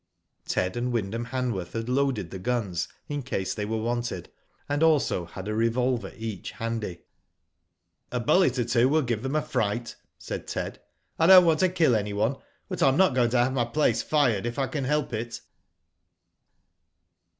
Ted and Wyndham Hanworth had loaded the guns in case they were wanted, and also had a revolver each handy. *^A bullet or two will give them a fright," said Ted. "I don't want to kill anyone, but I am not going to have my place fired if I can help it."